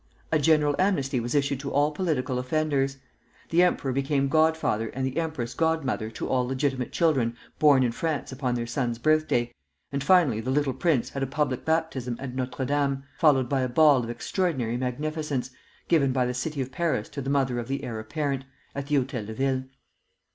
A general amnesty was issued to all political offenders. The emperor became godfather and the empress godmother to all legitimate children born in France upon their son's birthday, and finally the little prince had a public baptism at Notre Dame, followed by a ball of extraordinary magnificence, given by the city of Paris to the mother of the heir apparent, at the Hôtel de Ville.